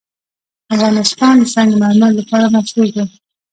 افغانستان د سنگ مرمر لپاره مشهور دی.